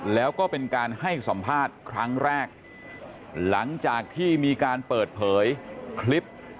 แล้วก็เป็นการให้สัมภาษณ์ครั้งแรกหลังจากที่มีการเปิดเผยคลิป